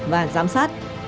và giám sát